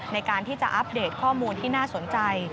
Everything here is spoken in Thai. ในการที่จะอัปเดตข้อมูลที่น่าสนใจ